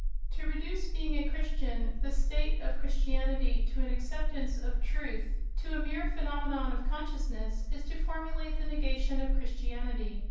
To reduce being a Christian, the state of Christianity, to an acceptance of truth, to a mere phenomenon of consciousness, is to formulate the negation of Christianity.